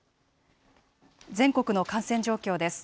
全国の感染状況です。